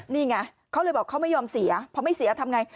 นี่ไงเขาเลยบอกเขาไม่ยอมเสียพอไม่เสียทำไง